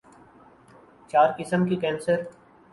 چار قسم کے کینسر